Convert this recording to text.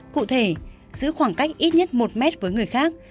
cụ thể giữ khoảng cách ít nhất một mét với người khác